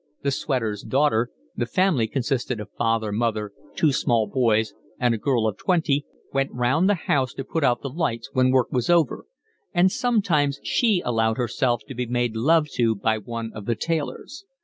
The sweater's daughter—the family consisted of father, mother, two small boys, and a girl of twenty—went round the house to put out the lights when work was over, and sometimes she allowed herself to be made love to by one of the tailors.